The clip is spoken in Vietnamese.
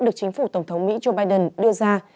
được chính phủ tổng thống mỹ joe biden đưa ra